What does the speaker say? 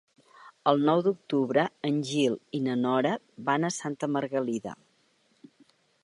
El nou d'octubre en Gil i na Nora van a Santa Margalida.